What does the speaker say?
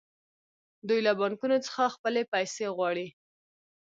دوی له بانکونو څخه خپلې پیسې غواړي